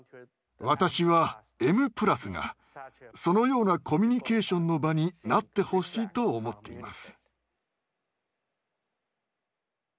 私は「Ｍ＋」がそのようなコミュニケーションの場になってほしいと思っています。